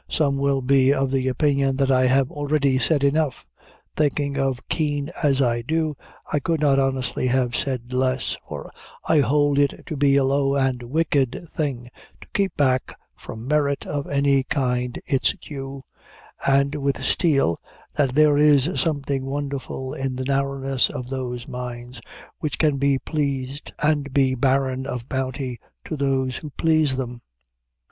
Some will be of the opinion that I have already said enough. Thinking of Kean as I do, I could not honestly have said less; for I hold it to be a low and wicked thing to keep back from merit of any kind its due, and, with Steele, that "there is something wonderful in the narrowness of those minds which can be pleased, and be barren of bounty to those who please them."